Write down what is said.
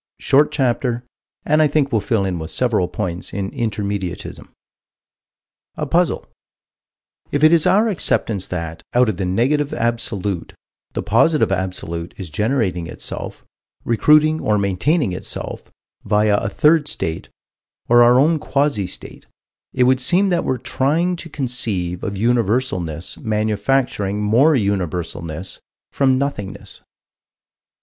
Short chapter, and I think we'll fill in with several points in Intermediatism. A puzzle: If it is our acceptance that, out of the Negative Absolute, the Positive Absolute is generating itself, recruiting, or maintaining, itself, via a third state, or our own quasi state, it would seem that we're trying to conceive of Universalness manufacturing more Universalness from Nothingness.